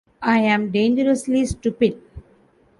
I am dangerously stupid.